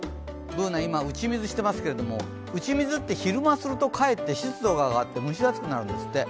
Ｂｏｏｎａ、今、打ち水してますけど、打ち水って昼間やるとかえって、湿度が上がって蒸し暑くなるんですって。